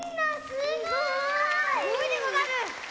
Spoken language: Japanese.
すごいでござる！